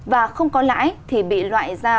và không có lãi thì bị loại ra